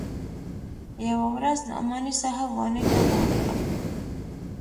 يوه ورځ نعماني صاحب واڼې ته بوتلم.